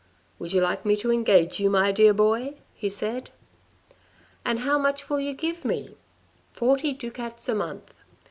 "' Would you like me to engage you, my dear boy ?' he said. "• And how much will you give me ?'"* Forty ducats a month.'